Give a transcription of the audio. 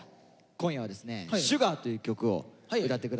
今夜はですね「Ｓｕｇａｒ」という曲を歌って下さいますね。